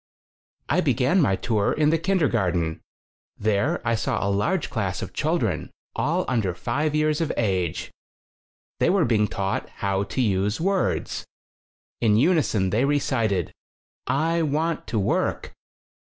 I began my tour in the kindergar ten. There I saw a large class of children, all under five years of age. They were being taught how to use words. In unison they recited: "I vvant to work!"